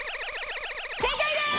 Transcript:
正解です！